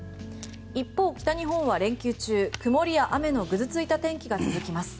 一方、北日本は連休中曇りや雨のぐずついた天気が続きます。